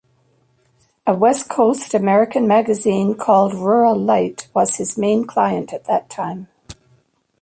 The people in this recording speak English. A west coast American magazine called "Ruralite" was his main client at that time.